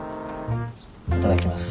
いただきます。